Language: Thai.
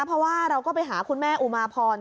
เพราะว่าเราก็ไปหาคุณแม่อุมาพร